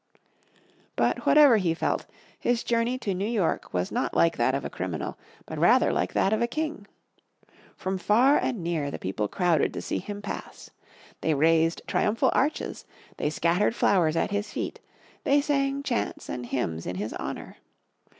But whatever he felt, his journey to New York was not like that of a criminal, but rather like that of a king. From far and near the people crowded to see him pass. They raised triumphal arches, they scattered flowers at his feet, they sang chants and hymns in his honour.